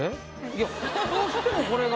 いやどうしてもこれが。